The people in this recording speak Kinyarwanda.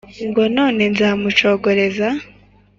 ngo none zamuncogoreza,